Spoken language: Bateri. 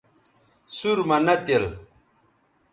سُور مہ نہ تِل